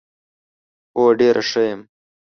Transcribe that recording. هو ډېره ښه یم .